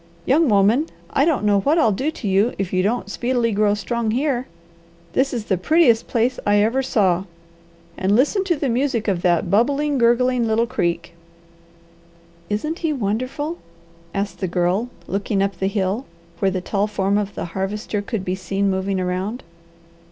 "Young woman, I don't know what I'll do to you if you don't speedily grow strong here. This is the prettiest place I ever saw, and listen to the music of that bubbling, gurgling little creek!" "Isn't he wonderful?" asked the Girl, looking up the hill, where the tall form of the Harvester could be seen moving around.